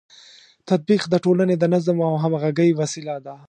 تطبیق د ټولنې د نظم او همغږۍ وسیله ده.